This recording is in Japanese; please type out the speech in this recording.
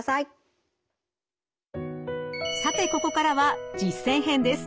さてここからは実践編です。